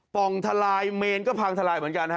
ป่องทลายเมนก็พังทลายเหมือนกันฮะ